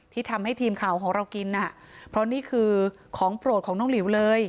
ที่ทำให้ทีมข่าวของเรากินน่ะเพราะนี่คือของโปรดของน้องหลิวเลย